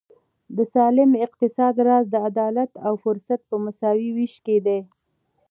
د سالم اقتصاد راز د عدالت او فرصت په مساوي وېش کې دی.